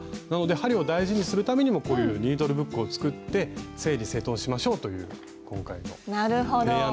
なので針を大事にするためにもこういうニードルブックを作って整理整頓しましょう！というなるほど。